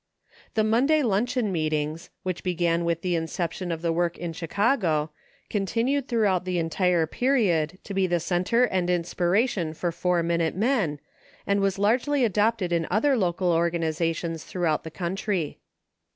The Monday luncheon meetings, which began with the inception of the work in Chicago, continued through out the entire period to be the center and inspiration for Four Minute Men, and was largely adopted in other local organizations throughout the country.